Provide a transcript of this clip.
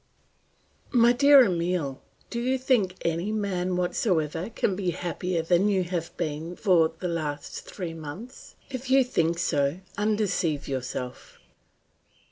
"My dear Emile, do you think any man whatsoever can be happier than you have been for the last three months? If you think so, undeceive yourself.